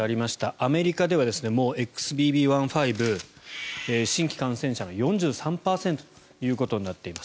アメリカではもうＸＢＢ．１．５新規感染者の４３％ということになっています。